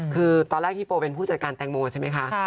คือตอนแรกฮิโปเป็นผู้จัดการแตงโมใช่ไหมคะ